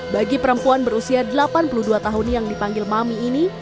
bagi perempuan berusia delapan puluh dua tahun yang dipanggil mami ini